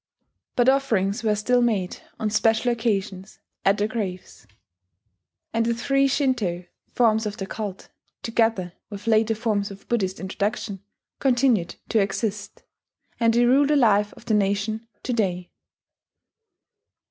But offerings were still made, on special occasions, at the graves; and the three Shinto forms of the cult, together with later forms of Buddhist introduction, continued to exist; and they rule the life of the nation to day.